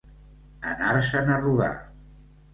Anar-se'n a rodar.